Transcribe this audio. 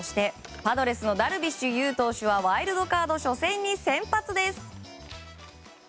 パドレスのダルビッシュ有投手はワイルドカード初戦に先発です。